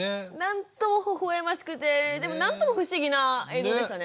なんともほほ笑ましくてでもなんとも不思議な映像でしたね。